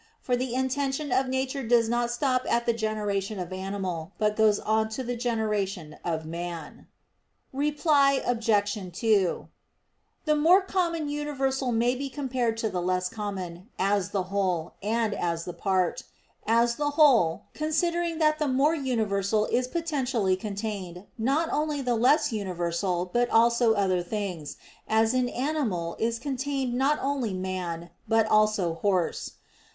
For the intention of nature does not stop at the generation of animal but goes on to the generation of man. Reply Obj. 2: The more common universal may be compared to the less common, as the whole, and as the part. As the whole, considering that in the more universal is potentially contained not only the less universal, but also other things, as in "animal" is contained not only "man" but also "horse."